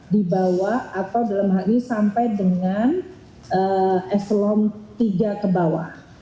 di bawah atau dalam hal ini sampai dengan ekselon tiga ke bawah